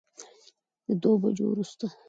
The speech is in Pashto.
او دوو بجو وروسته